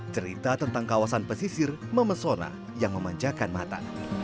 cerita tentang kawasan pesisir memesona yang memanjakan mata